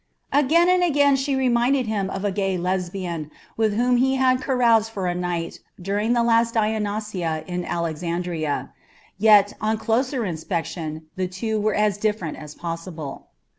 Again and again she reminded him of a gay Lesbian with whom he had caroused for a night during the last Dionysia in Alexandria, yet, on closer inspection, the two were as different as possible.